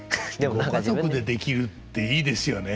ご家族でできるっていいですよね。